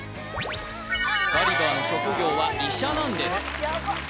ガリバーの職業は医者なんです